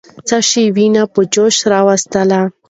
څه شی ويني په جوش راوستلې؟